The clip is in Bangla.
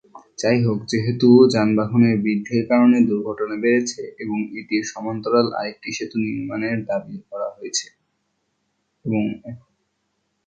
যাইহোক, সেতুতে যানবাহন বৃদ্ধির কারণে দুর্ঘটনা বেড়েছে এবং এখন এটির সমান্তরাল আরেকটি সেতু নির্মাণের দাবি করা হয়েছে।